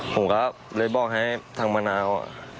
ผมก็เลยบอกให้ทางมะนาว